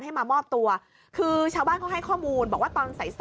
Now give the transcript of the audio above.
ให้มามอบตัวคือชาวบ้านเขาให้ข้อมูลบอกว่าตอนใส่เสื้อ